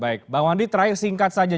baik bang wandi terakhir singkat saja